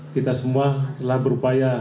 kita semua telah berupaya